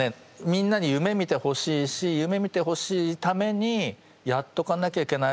みんなに夢みてほしいし夢みてほしいためにやっとかなきゃいけないことがくそ